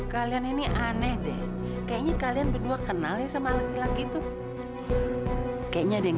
kalian ini aneh deh kayaknya kalian berdua kenal ya sama laki laki tuh kayaknya ada yang